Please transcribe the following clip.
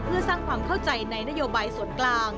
เพื่อสร้างความเข้าใจในนโยบายส่วนกลาง